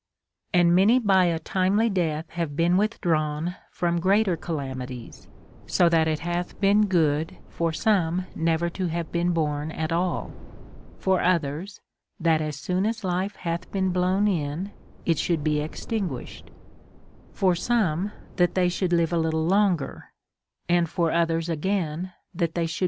And many by a timely death have been withdrawn from greater calamities ; so that it hath been good for some never to have been born at all ; for others, that as soon as life hath been blown in it should be extinguished ; for some, that they should live a little longer ; and for others again, that they should be * II.